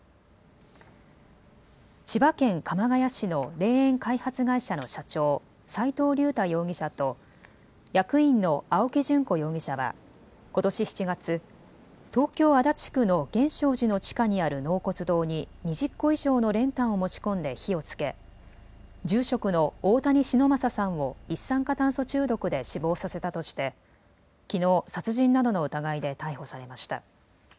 千葉県鎌ケ谷市の霊園開発会社の社長、齋藤竜太容疑者と役員の青木淳子容疑者はことし７月、東京足立区の源証寺の地下にある納骨堂に２０個以上の練炭を持ち込んで火をつけ住職の大谷忍昌さんを一酸化炭素中毒で死亡させたとしてきのう、殺人などの疑いで逮捕されました。